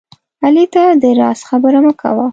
علي ته د راز خبره مه کوه